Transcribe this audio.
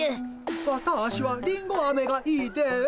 わたしはりんごあめがいいです。